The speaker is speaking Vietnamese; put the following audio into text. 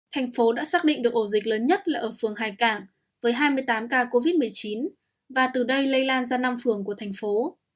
thành phố đã xác định được ổ dịch lớn nhất là ở phường hai cảng với hai mươi tám ca covid một mươi chín và từ đây lây lan ra năm phường của thành phố